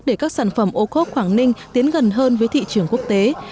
để các sản phẩm ocob quảng ninh tiến gần hơn với thị trường quốc tế